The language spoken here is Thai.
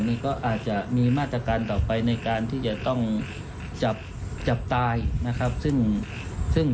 นี่ก็อาจจะมีมาตรการต่อไปในการที่จะต้องจับจับตายนะครับซึ่งซึ่ง